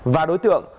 và đối tượng